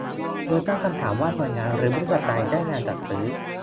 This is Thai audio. โดยตั้งคำถามว่าหน่วยงานหรือบริษัทใดได้งานจัดซื้อ